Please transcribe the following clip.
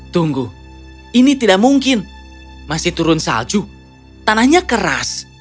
tunggu ini tidak mungkin masih turun salju tanahnya keras